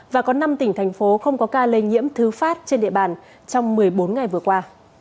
và có năm tỉnh thành phố không có ca lây nhiễm thứ phát trên địa bàn trong một mươi bốn ngày vừa qua